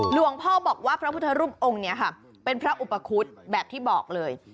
หลวงพ่อบอกว่าพระพุทธรูปองค์นี้ค่ะเป็นพระอุปคุฎแบบที่บอกเลย